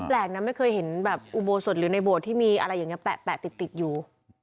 แปลกนะไม่เคยเห็นแบบอุโบสุฯหรือในโบสุฯที่มีอะไรแปะติดอยู่